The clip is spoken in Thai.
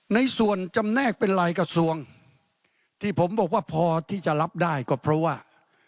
ในส่วนจำแนกเป็นลายกระทรวงที่ผมบอกว่าพอที่จะรับได้ก็เพราะว่า